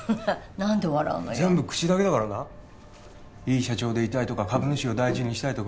何で笑うのよ全部口だけだからないい社長でいたいとか株主を大事にしたいとか